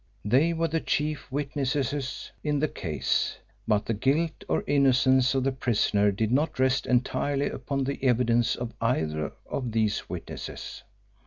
They were the chief witnesses in the case, but the guilt or innocence of the prisoner did not rest entirely upon the evidence of either of these witnesses.